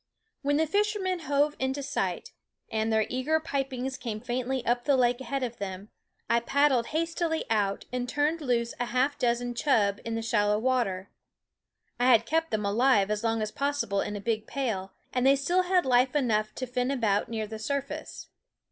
When the fishermen hove into sight, and their eager pipings came faintly up the lake THE WOODS ahead of them, I paddled hastily out and turned loose a half dozen chub in the shallow water. I had kept them alive as long as possible in a big pail, and they still had life enough to fin about near the surface.